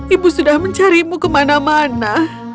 ibu sudah mencarimu kemana mana